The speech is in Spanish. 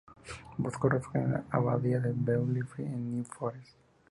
Buscó refugio en la abadía de Beaulieu en New Forest.